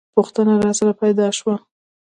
پوښتنه راسره پیدا شوه.